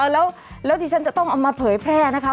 แล้วที่ฉันจะต้องเอามาเผยแพร่นะคะ